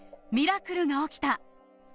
ミラクルが起きた！